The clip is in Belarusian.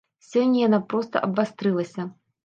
Сёння яна проста абвастрылася.